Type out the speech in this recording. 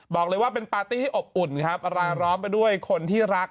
บอกเลยว่าเป็นปาร์ตี้อบอุ่นครับรายล้อมไปด้วยคนที่รัก